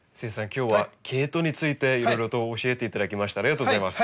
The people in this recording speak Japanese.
今日はケイトウについていろいろと教えていただきましてありがとうございます。